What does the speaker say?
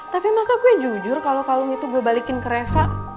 tapi masa gue jujur kalo kalung itu gue balikin ke reva